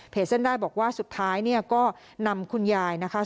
เส้นได้บอกว่าสุดท้ายเนี่ยก็นำคุณยายนะคะ